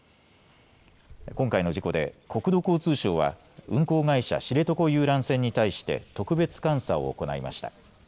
今回の事故で国土交通省は運航会社、知床遊覧船に対して特別監査を行いました。